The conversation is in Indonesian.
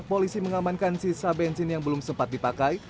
polisi mengamankan sisa bensin yang belum sempat dipakai